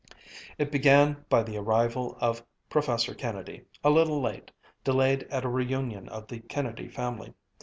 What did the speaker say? It began by the arrival of Professor Kennedy, a little late, delayed at a reunion of the Kennedy family.